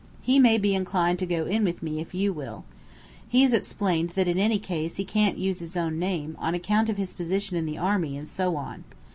He may be inclined to go in with me, if you will. He's explained that in any case he can't use his own name, on account of his position in the army and so on.